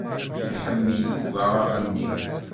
Iḥemmel Yuba aɣenni.